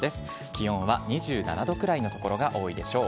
気温は２７度くらいの所が多いでしょう。